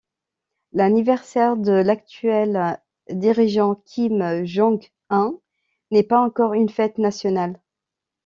L'anniversaire de l'actuel dirigeant Kim Jong-un n'est pas encore une fête nationale.